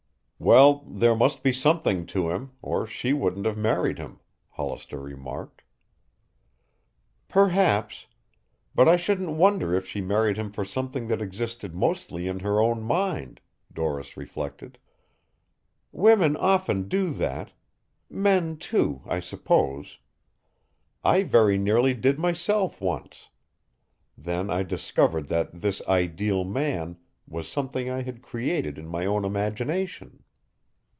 "Well, there must be something to him, or she wouldn't have married him," Hollister remarked. "Perhaps. But I shouldn't wonder if she married him for something that existed mostly in her own mind," Doris reflected. "Women often do that men too, I suppose. I very nearly did myself once. Then I discovered that this ideal man was something I had created in my own imagination."